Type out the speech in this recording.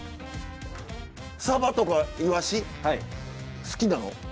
サバとかイワシ好きなの？